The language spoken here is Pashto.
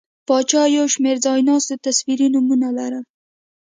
پاچا یو شمېر ځایناستو تصویري نومونه لرل.